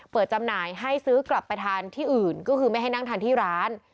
จำหน่ายให้ซื้อกลับไปทานที่อื่นก็คือไม่ให้นั่งทานที่ร้าน